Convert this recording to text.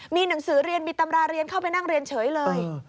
มีหนังสือเรียนมีตำราเรียนเข้าไปนั่งเรียนเฉยเลย